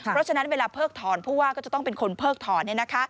เพราะฉะนั้นเวลาเพิกถอนผู้ว่าก็จะต้องเป็นคนเพิกถอน